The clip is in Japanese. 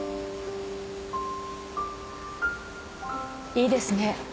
いいですね。